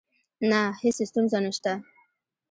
نه، هیڅ ستونزه نشته